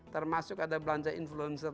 termasuk ada belanja influencer